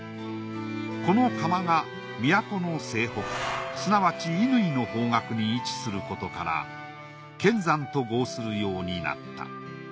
この窯が都の西北すなわち乾の方角に位置することから乾山と号するようになった。